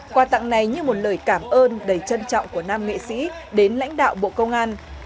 quà tặng này như một lời cảm ơn đầy trân trọng của nam nghệ sĩ đến lãnh đạo bộ công an